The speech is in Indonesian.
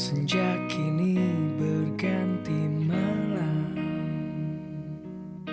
sejak kini berganti malam